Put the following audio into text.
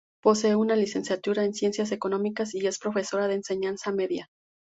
Posee una licenciatura en Ciencias Económicas, y es profesora de enseñanza media.